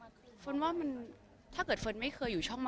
บางทีเค้าแค่อยากดึงเค้าต้องการอะไรจับเราไหล่ลูกหรือยังไง